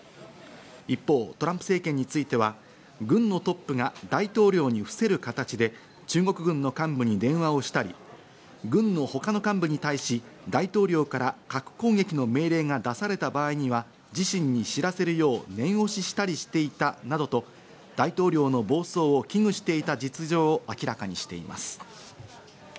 一方、トランプ政権については、軍のトップが大統領に伏せる形で中国軍の幹部に電話をしたり軍の他の幹部に対し大統領から核攻撃の命令が出された場合には自身に知らせるよう念押ししたりしていたなどと大統領の暴走を危惧していた実情を明らかにしています。